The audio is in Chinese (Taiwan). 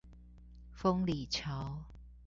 豐里橋